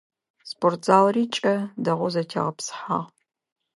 Спортзалыри кӏэ, дэгъоу зэтегъэпсыхьагъ.